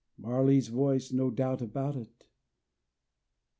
Marley's voice, no doubt about it.